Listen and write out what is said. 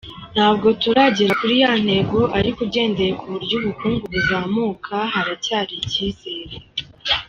Ntabwo turagera kuri ya ntego ariko ugendeye ku buryo ubukungu buzamuka haracyari icyizere.